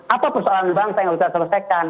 apa persoalan bangsa yang harus kita selesaikan